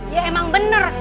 ya emang bener